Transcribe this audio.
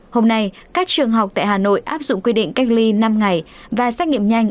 hôm nay các trường học tại hà nội áp dụng quy định cách ly năm ngày và xét nghiệm nhanh